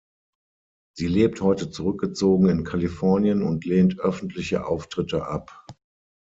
Sie lebt heute zurückgezogen in Kalifornien und lehnt öffentliche Auftritte ab.